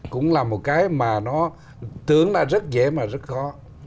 cũng là một cái mà nó tưởng là rất dễ mà rất khó